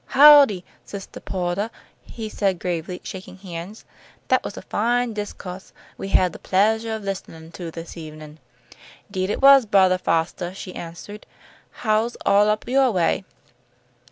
"Howdy, Sistah Po'tah," he said, gravely shaking hands. "That was a fine disco'se we had the pleasuah of listenin' to this evenin'." "'Deed it was, Brothah Fostah," she answered. "How's all up yo' way?"